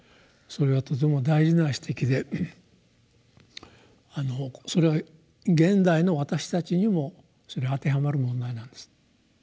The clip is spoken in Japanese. それはとても大事な指摘でそれは現代の私たちにも当てはまる問題なんです。